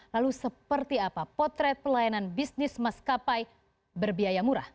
lalu seperti apa potret pelayanan bisnis maskapai berbiaya murah